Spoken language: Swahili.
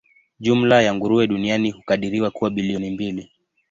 Jumla ya nguruwe duniani hukadiriwa kuwa bilioni mbili.